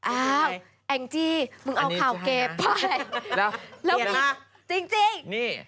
แอฮแอ้งจี้มึงเอาข่าวเกบปล่อย